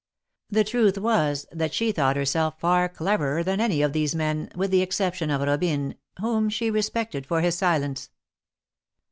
The truth was, that she thought herself far cleverer than any of these men, with the exception of Robine, whom she respected for his silence.